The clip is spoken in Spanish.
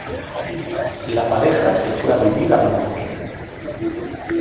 La pareja se fue a vivir a Múnich.